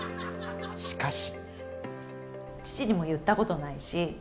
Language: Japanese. しかし。